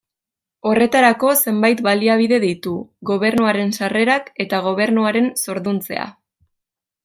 Horretarako zenbait baliabide ditu: gobernuaren sarrerak eta gobernuaren zorduntzea.